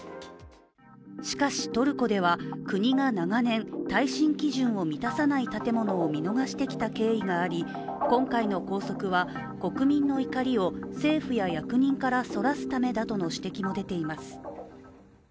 しかし、トルコでは国が長年耐震基準を満たさない建物を見逃してきた経緯があり今回の拘束は国民の怒りを政府や役人からそらすためだとの指摘も出ています。